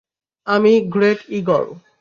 আমি great eagle.